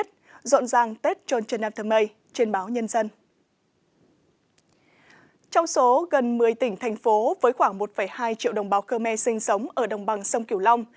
trong số gần một mươi tỉnh thành phố với khoảng một hai triệu đồng bào khmer sinh sống ở đồng bằng sông kiều long